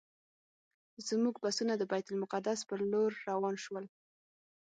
زموږ بسونه د بیت المقدس پر لور روان شول.